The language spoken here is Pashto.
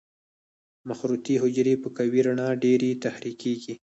مخروطي حجرې په قوي رڼا ډېرې تحریکېږي.